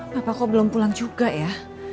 bapak kok belum pulang juga ya